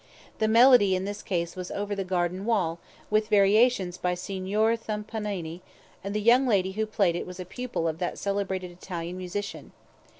The melody in this case was "Over the Garden Wall," with variations by Signor Thumpanini, and the young lady who played it was a pupil of that celebrated Italian musician.